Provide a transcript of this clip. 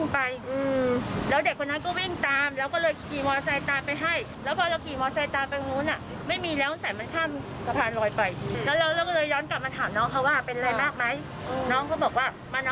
พอครูผู้ชายออกมาช่วยพอครูผู้ชายออกมาช่วย